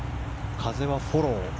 風はフォロー。